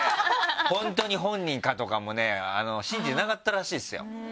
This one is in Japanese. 本当に本人か？とかもね信じてなかったらしいですよ。